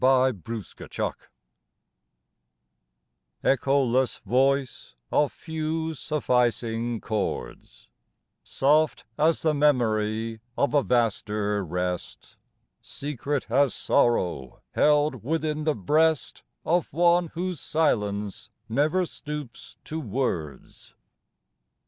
132 XXXIX THE NIGHT WIND ECHOLESS voice of few sufficing chords, Soft as the memory of a vaster rest, Secret as sorrow held within the breast Of one whose silence never stoops to words.